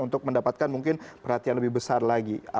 untuk mendapatkan mungkin perhatian lebih besar lagi